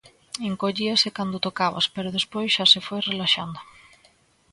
Encollíase cando o tocabas, pero despois xa se foi relaxando.